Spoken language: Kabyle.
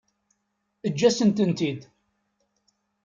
Eǧǧ-asent-tent-id.